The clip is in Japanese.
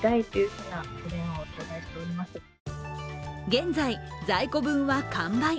現在、在庫分は完売。